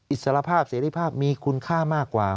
อิสรภาพเสรีภาพมีคุณค่ามากกว่า